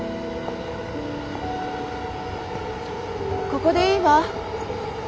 ここでいいわ。